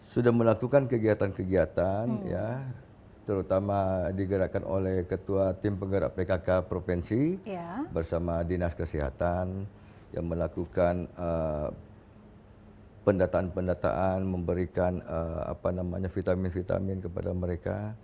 sudah melakukan kegiatan kegiatan terutama digerakkan oleh ketua tim penggerak pkk provinsi bersama dinas kesehatan yang melakukan pendataan pendataan memberikan vitamin vitamin kepada mereka